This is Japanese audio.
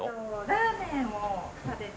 ラーメンを食べたら。